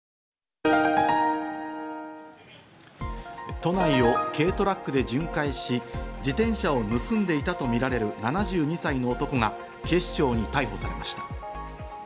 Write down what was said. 都内を軽トラックで巡回し、自転車を盗んでいたとみられる７２歳の男が警視庁に逮捕されました。